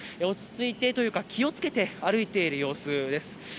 落ち着いてというか気を付けて歩いている様子です。